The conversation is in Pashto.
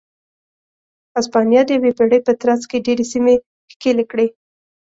هسپانیا د یوې پېړۍ په ترڅ کې ډېرې سیمې ښکېلې کړې.